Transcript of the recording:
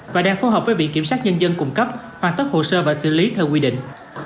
và đang phối hợp với viện kiểm sát nhân dân cung cấp hoàn tất hồ sơ và xử lý theo quy định